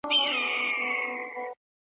ژوندون لکه بیدیا ده، بنیادم پکې یریږي